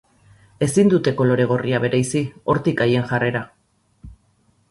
Ezin dute kolore gorria bereizi, hortik haien jarrera.